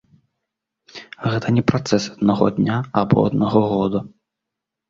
Гэта не працэс аднаго дня або аднаго года.